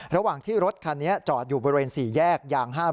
ระหว่างที่รถคันนี้จอดอยู่บริเวณ๔แยกยาง๕